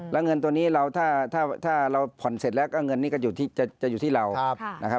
แล้วเงินตัวนี้เราถ้าเราผ่อนเสร็จแล้วก็เงินนี้ก็จะอยู่ที่เรานะครับ